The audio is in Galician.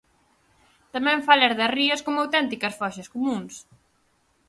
Tamén falas das rías como auténticas foxas comúns.